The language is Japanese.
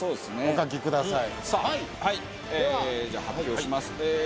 じゃあ発表します。